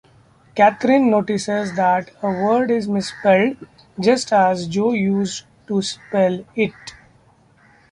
Katherine notices that a word is misspelled just as Joe used to spell it.